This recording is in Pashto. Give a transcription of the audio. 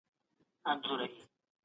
هېپوتالاموس د بدن هورمونونه کنټرولوي.